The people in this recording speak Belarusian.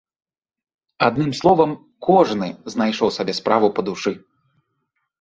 Адным словам, кожны знайшоў сабе справу па душы.